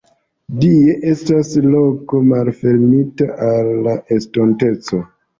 Die estas loko malfermita al la estonteco.